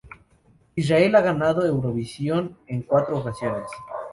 Israel ha ganado Eurovisión en cuatro ocasiones.